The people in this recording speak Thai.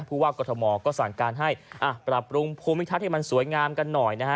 ผู้ว่ากรทมก็สั่งการให้ปรับปรุงภูมิทัศน์ให้มันสวยงามกันหน่อยนะฮะ